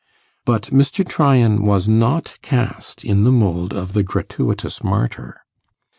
But Mr. Tryan was not cast in the mould of the gratuitous martyr.